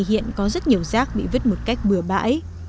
hiện có rất nhiều rác bị vứt một cách bừa bãi